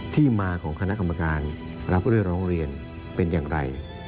ที่มาของคณะกรรมการรับเรื่องร้องเรียนเป็นอย่างไร